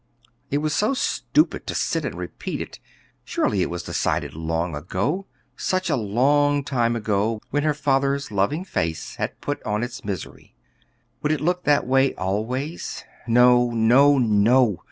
It was so stupid to sit and repeat it. Surely it was decided long ago. Such a long time ago, when her father's loving face had put on its misery. Would it look that way always? No, no, no!